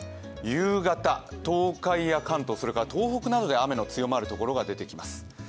夕方、東海や関東、それから東北などで雨の強まる所が出てきます。